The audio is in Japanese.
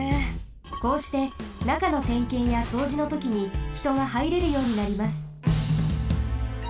こうしてなかのてんけんやそうじのときにひとがはいれるようになります。